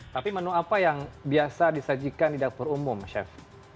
tapi menu apa yang biasa disajikan di dapur umum chef